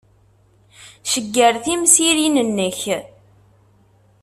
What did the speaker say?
Cegger timsirin-nnek.